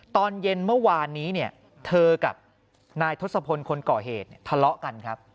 ตอนเย็นเมื่อวานนี้เนี่ยเธอกับนายทศพลคนก่อเหตุทะเลาะกันครับ